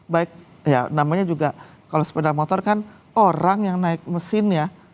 baik ya namanya juga kalau sepeda motor kan orang yang naik mesin ya